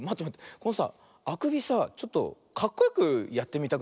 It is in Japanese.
このさあくびさちょっとかっこよくやってみたくなっちゃった。